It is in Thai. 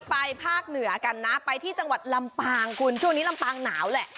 ภาคเหนือกันนะไปที่จังหวัดลำปางคุณช่วงนี้ลำปางหนาวแหละ